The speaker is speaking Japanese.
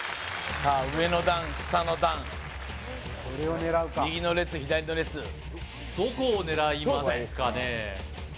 さあ上の段下の段右の列左の列どこを狙いますかね？